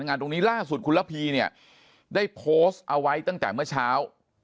งานตรงนี้ล่าสุดคุณระพีเนี่ยได้โพสต์เอาไว้ตั้งแต่เมื่อเช้า